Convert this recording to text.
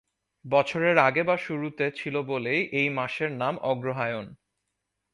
বছরের আগে বা শুরুতে ছিল বলেই এই মাসের নাম 'অগ্রহায়ণ'।